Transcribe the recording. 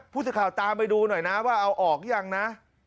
ผู้สื่อข่าวตามไปดูหน่อยนะว่าเอาออกหรือยังนะ